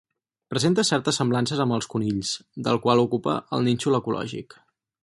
Presenta certes semblances amb els conills, del qual ocupava el nínxol ecològic.